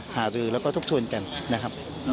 หารือแล้วก็ทบทวนกันนะครับ